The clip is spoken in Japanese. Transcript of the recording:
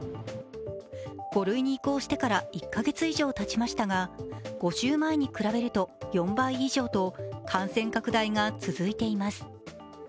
５類に移行してから１か月以上たちましたが、５週前に比べると４倍以上と感染拡大が続いています。